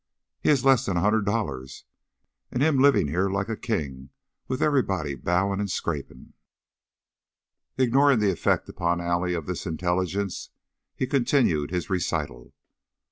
"He had less 'n a hundred dollars. An' him livin' here like a king with everybody bowin' an' scrapin'!" Ignoring the effect upon Allie of this intelligence, he continued his recital.